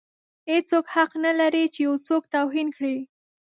هیڅوک حق نه لري چې یو څوک توهین کړي.